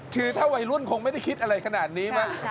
คือถ้าวัยรุ่นคงไม่ได้คิดอะไรขนาดนี้มั้ง